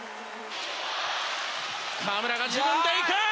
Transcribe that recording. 河村が自分で行く！